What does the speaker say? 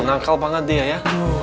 nangkal banget dia ya